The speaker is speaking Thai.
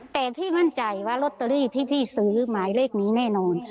แต่พี่มั่นใจว่าลอตเตอรี่ที่พี่ซื้อหมายเลขนี้แน่นอน